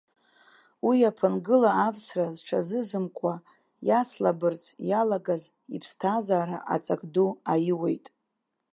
Уи аԥынгыла авсра зҽазызымкуа, иацлабырц иалагаз иԥсҭазаара аҵак ду аиуеит.